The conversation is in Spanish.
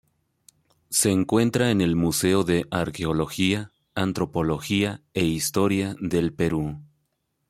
Se encuentra en el Museo de Arqueología, Antropología e Historia del Perú.